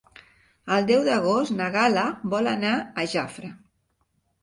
El deu d'agost na Gal·la vol anar a Jafre.